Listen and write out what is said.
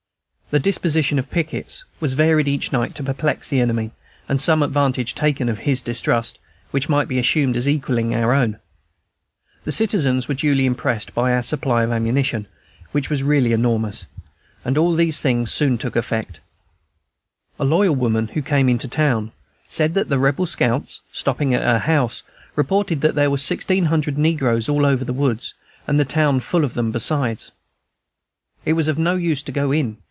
The disposition of pickets was varied each night to perplex the enemy, and some advantage taken of his distrust, which might be assumed as equalling our own. The citizens were duly impressed by our supply of ammunition, which was really enormous, and all these things soon took effect. A loyal woman, who came into town, said that the Rebel scouts, stopping at her house, reported that there were "sixteen hundred negroes all over the woods, and the town full of them besides." "It was of no use to go in.